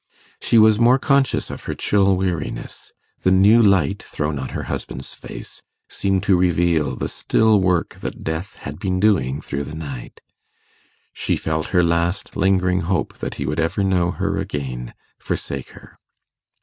She was more conscious of her chill weariness: the new light thrown on her husband's face seemed to reveal the still work that death had been doing through the night; she felt her last lingering hope that he would ever know her again forsake her.